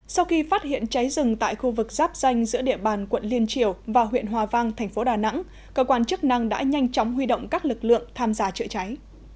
sau khi phát hiện cháy rừng tại khu vực giáp danh giữa địa bàn quận liên triều và huyện hòa vang thành phố đà nẵng cơ quan chức năng đã nhanh chóng huy động các lực lượng tham gia chữa cháy